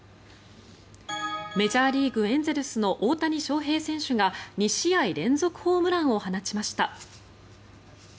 メジャーリーグエンゼルスの大谷翔平選手が２試合連続ホームランを放ちました。